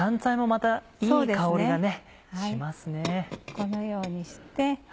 このようにして。